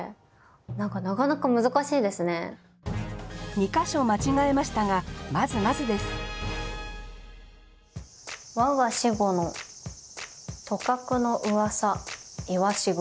２か所間違えましたがまずまずです「わが死後のとかくの噂いわし雲」。